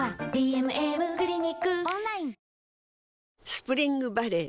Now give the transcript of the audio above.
スプリングバレー